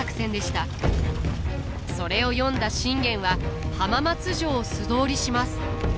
それを読んだ信玄は浜松城を素通りします。